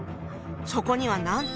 そこにはなんと！